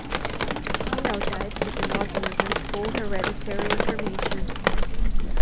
"Genotype" is an organism's full hereditary information.